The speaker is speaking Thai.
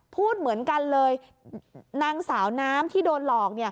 พูดเหมือนกันเลยนางสาวน้ำที่โดนหลอก